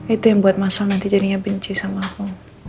itu yang buat masa nanti jadinya benci sama aku